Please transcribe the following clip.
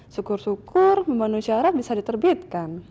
syukur syukur memenuhi syarat bisa diterbitkan